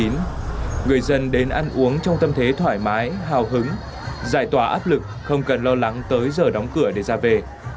người dân đến ăn uống trong tâm thế thoải mái hào hứng giải tỏa áp lực không cần lo lắng tới giờ đóng cửa để ra về